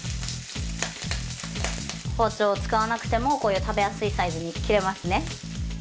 包丁を使わなくてもこういう食べやすいサイズに切れますね。